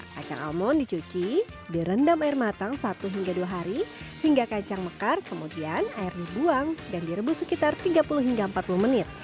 kacang almon dicuci direndam air matang satu hingga dua hari hingga kacang mekar kemudian air dibuang dan direbus sekitar tiga puluh hingga empat puluh menit